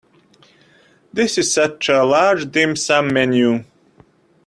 This is such a large dim sum menu.